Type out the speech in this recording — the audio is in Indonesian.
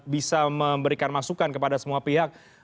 bisa memberikan masukan kepada semua pihak